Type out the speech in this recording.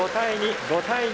５対２！